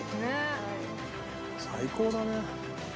最高だね。